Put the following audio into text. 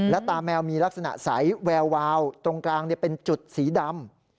และตาแมวมีลักษณะใสแวววาวตรงกลางเป็นจุดสีดำ